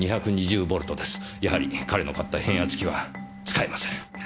やはり彼の買った変圧器は使えません。